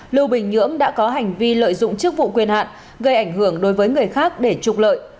lưu bình nhưỡng đã có hành vi lợi dụng chức vụ quyền hạn gây ảnh hưởng đối với người khác để trục lợi